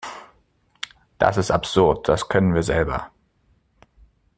Das ist absurd, das können wir selber.